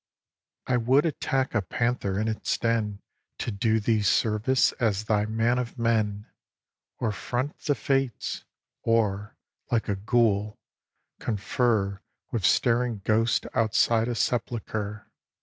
iv. I would attack a panther in its den To do thee service as thy man of men, Or front the Fates, or, like a ghoul, confer With staring ghosts outside a sepulchre.